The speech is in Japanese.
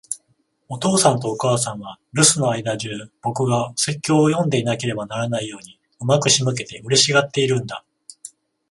お父さんとお母さんは、留守の間じゅう、僕がお説教を読んでいなければならないように上手く仕向けて、嬉しがっているんだ。